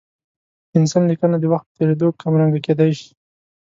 د پنسل لیکنه د وخت په تېرېدو کمرنګه کېدای شي.